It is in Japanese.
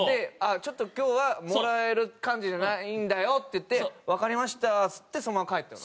「ちょっと今日はもらえる感じじゃないんだよ」って言って「わかりました」っつってそのまま帰ったよな？